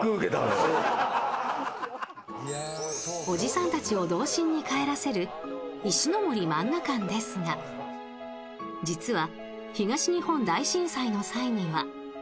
おじさんたちを童心に帰らせる石ノ森萬画館ですが実は東日本大震災の際には。